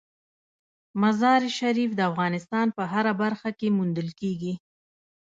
مزارشریف د افغانستان په هره برخه کې موندل کېږي.